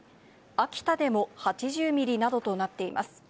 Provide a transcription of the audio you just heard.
秋田でも８０ミリなどとなっています。